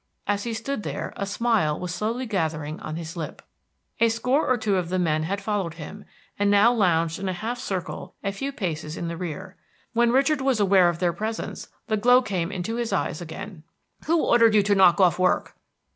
As he stood there a smile was slowly gathering on his lip. A score or two of the men had followed him, and now lounged in a half circle a few paces in the rear. When Richard was aware of their presence, the glow came into his eyes again. "Who ordered you to knock off work?"